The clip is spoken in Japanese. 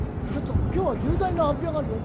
今日は重大な発表があるよ。